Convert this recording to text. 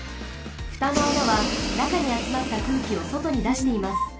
ふたの穴はなかにあつまったくうきをそとにだしています。